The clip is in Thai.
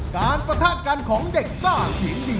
ปะทะกันของเด็กซ่าเสียงดี